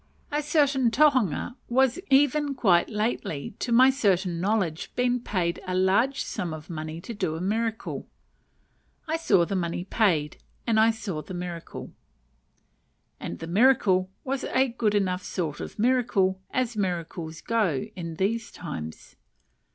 A certain tohunga has even quite lately, to my certain knowledge, been paid a large sum of money to do a miracle! I saw the money paid, and I saw the miracle. And the miracle was a good enough sort of miracle, as miracles go in these times.